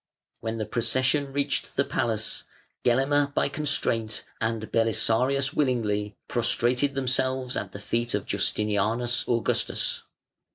When the procession reached the palace, Gelimer by constraint and Belisarius willingly prostrated themselves at the feet of "Justinianus Augustus".